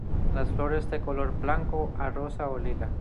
Las flores de color blanco a rosa o lila.